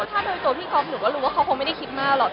ถ้าโดยตัวพี่ก๊อฟหนูก็รู้ว่าเขาคงไม่ได้คิดมากหรอก